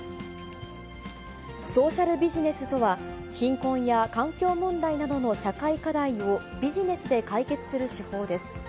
ソーシャルビジネスとは、貧困や環境問題などの社会課題をビジネスで解決する手法です。